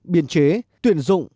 biên chế tuyển dụng